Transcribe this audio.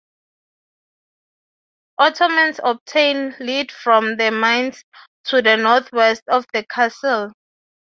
Ottomans obtained lead from the mines to the northwest of the castle.